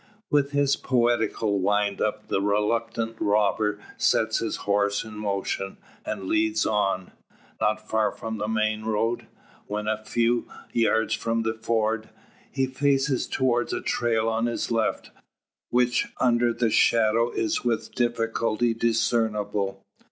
With his poetical wind up, the reluctant robber sets his horse in motion, and leads on. Not far along the main road. When a few yards from the ford, he faces towards a trail on his left, which under the shadow is with difficulty discernible.